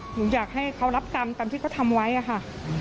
หนูอยากให้เขารับกรรมตามที่เขาทำไว้อะค่ะ